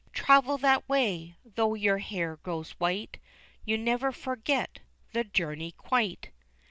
Travel that way, though your hair grow white, You never forget the journey quite!